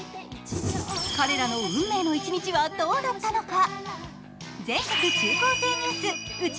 彼らの運命の一日は、どうなったのか。